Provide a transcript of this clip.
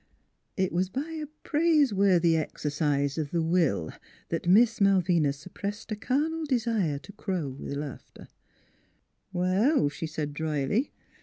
It was by a praiseworthy exercise of the will that Miss Malvina suppressed a carnal desire to crow with laughter. NEIGHBORS 183 " Well," she said dryly.